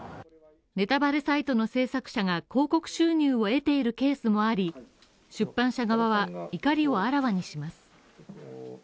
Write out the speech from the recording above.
ネタバレサイトの制作者が広告収入を得ているケースもあり、出版社側は怒りをあらわにします。